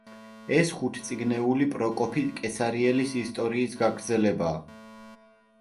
ეს ხუთწიგნეული პროკოფი კესარიელის ისტორიის გაგრძელებაა.